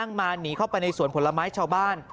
มาหนีเข้าไปในสวนผลไม้ชาวบ้าน